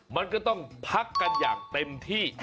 มันก็ต้องพักกันอย่างเต็มที่